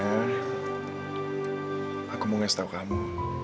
sebelumnya aku mau ngasih tau kamu